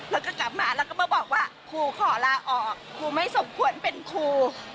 แล้วก็กลับมาแล้วก็มาบอกว่าครูขอลาออกครูไม่สมควรเป็นครู